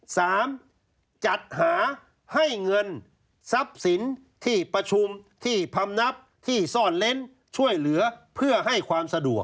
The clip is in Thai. จัดหาให้เงินทรัพย์สินที่ประชุมที่พำนับที่ซ่อนเล้นช่วยเหลือเพื่อให้ความสะดวก